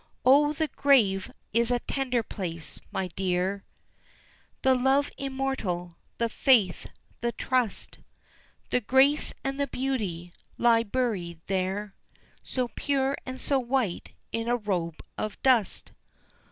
O the grave is a tender place, my dear, The Love immortal, the faith, the trust, The grace and the beauty, lie buried there, So pure and so white in a robe of dust.